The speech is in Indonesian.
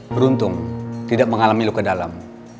beruntung tidak mengalami luka dalam